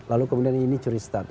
lalu kemudian ini curi start